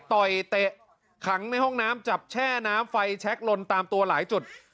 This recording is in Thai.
ต่อยเตะขังในห้องน้ำจับแช่น้ำไฟแช็คลนตามตัวหลายจุด